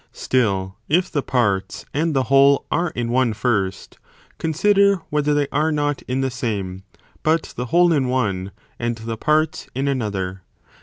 Still if the parts and the whole are in one first, consider whether they are not in the same, but the whole in one, and the parts in another.